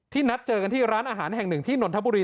นัดเจอกันที่ร้านอาหารแห่งหนึ่งที่นนทบุรี